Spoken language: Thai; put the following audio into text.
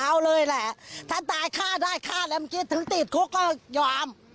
เอาเลยแหละถ้าตายฆ่าได้ฆ่าเลยถึงติดคุกก็ยอม